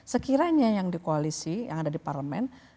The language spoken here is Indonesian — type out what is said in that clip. sekiranya yang di koalisi yang ada di parlemen